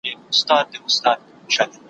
په لغتو مه څیره د خره پالانه